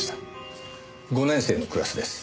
５年生のクラスです。